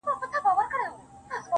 • هغه نجلۍ مي اوس پوښتنه هر ساعت کوي.